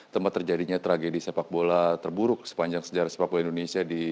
tempat terjadinya tragedi sepak bola terburuk sepanjang sejarah sepak bola indonesia